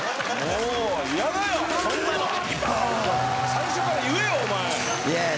最初から言えよお前！